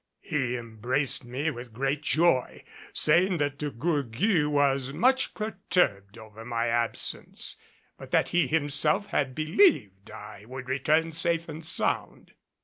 He embraced me with great joy, saying that De Gourgues was much perturbed over my absence, but that he himself had believed I would return safe and sound.